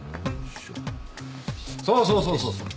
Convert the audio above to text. そうそうそうそうそう。